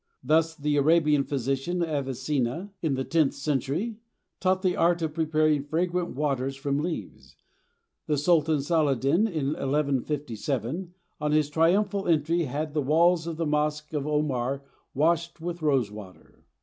Thus the Arabian physician Avicenna, in the tenth century, taught the art of preparing fragrant waters from leaves, and Sultan Saladin, in 1157, on his triumphal entry, had the walls of the mosque of Omar washed with rose water.